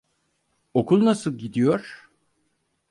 Okul nasıl gidiyor?